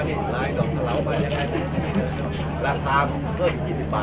เมืองอัศวินธรรมดาคือสถานที่สุดท้ายของเมืองอัศวินธรรมดา